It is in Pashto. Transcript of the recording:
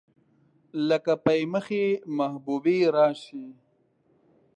لکه پۍ مخې محبوبې راشي